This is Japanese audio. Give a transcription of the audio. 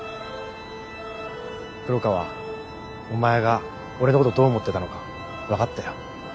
黒川お前が俺のことどう思ってたのか分かったよ。